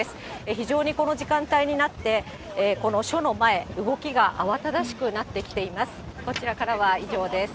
非常にこの時間帯になって、この署の前、動きが慌ただしくなってきています。